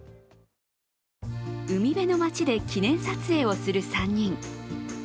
海辺の町で記念撮影をする３人。